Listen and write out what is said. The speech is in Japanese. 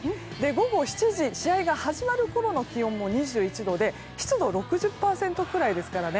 午後７時、試合が始まるころの気温も２１度で湿度６０％くらいですからね。